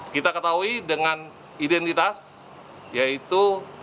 kita ketahui dengan identitas yaitu